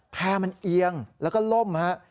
แพร่มันเอียงแล้วก็ล่มฮะ